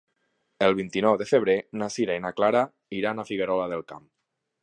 El vint-i-nou de febrer na Sira i na Clara iran a Figuerola del Camp.